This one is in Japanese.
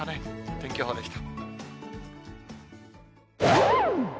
天気予報でした。